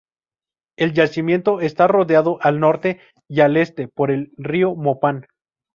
El yacimiento está rodeado al norte y al este por el Río Mopán.